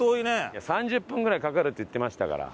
いや３０分ぐらいかかるって言ってましたから。